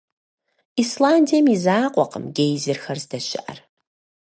Исландием и закъуэкъым гейзерхэр здэщыӀэр.